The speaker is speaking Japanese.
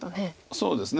そうですね。